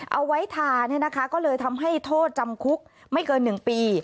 เอาไว้ทาเลยทำให้โทษจำคุกไม่เกิน๑ปี